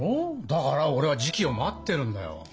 だから俺は時機を待ってるんだよ。